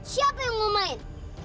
siapa yang mau main